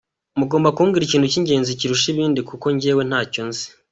Mugomba kumbwira ikintu cy'ingenzi kurusha ibindi kuko jyewe ntacyo nzi.